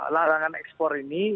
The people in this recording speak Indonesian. larangan ekspor ini